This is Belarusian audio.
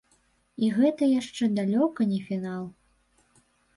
І гэта яшчэ далёка не фінал.